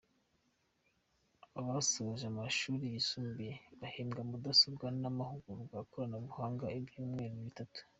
Abasoje amashuri yisumbuye bahembwa mudasobwa n’amahugurwa y’ikoranabuhanga y’ibyumweru bitatu.